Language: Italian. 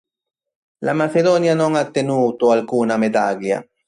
La Macedonia non ha ottenuto alcuna medaglia.